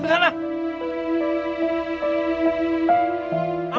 eh udah udah pergi sana